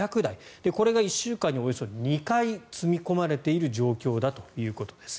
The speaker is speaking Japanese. これが１週間におよそ２回積み込まれている状況だということです。